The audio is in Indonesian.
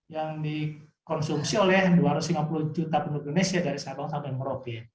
yang dikonsumsi oleh dua ratus lima puluh juta penduduk indonesia dari sabang sampai merauke